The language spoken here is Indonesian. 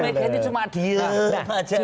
ibu megamis cuma diem aja loh